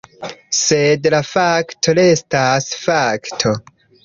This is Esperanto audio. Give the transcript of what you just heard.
Sed la fakto restas fakto.